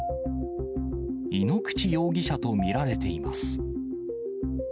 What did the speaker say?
井ノ口容疑者と見られています。